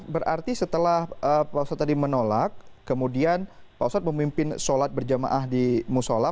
berarti setelah pak ustadz tadi menolak kemudian pak ustadz memimpin sholat berjamaah di musola